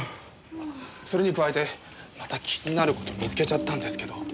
それに加えてまた気になる事見つけちゃったんですけど。